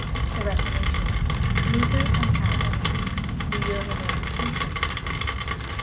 The Reformation Luther and Calvin The Year of Emancipation IV.